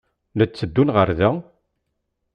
La d-tteddun ɣer da?